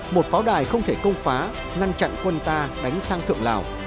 một pháo đài không thể công phá ngăn chặn quân ta đánh sang thượng lào